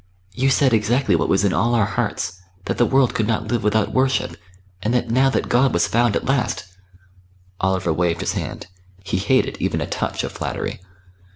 You said exactly what was in all our hearts that the world could not live without worship; and that now that God was found at last " Oliver waved his hand. He hated even a touch of flattery.